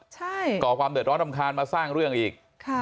ใช่ก่อความเดือดร้อนรำคาญมาสร้างเรื่องอีก